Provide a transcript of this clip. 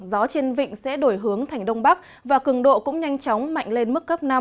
gió trên vịnh sẽ đổi hướng thành đông bắc và cường độ cũng nhanh chóng mạnh lên mức cấp năm